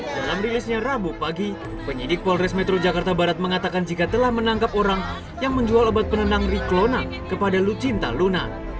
dalam rilisnya rabu pagi penyidik polres metro jakarta barat mengatakan jika telah menangkap orang yang menjual obat penenang riklona kepada lucinta luna